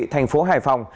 thành phố hải phòng